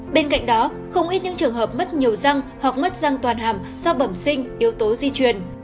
bên cạnh đó không ít những trường hợp mất nhiều răng hoặc mất răng toàn hàm do bẩm sinh yếu tố di truyền